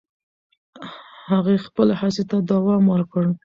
هغې خپل هڅې ته دوام ورکړ.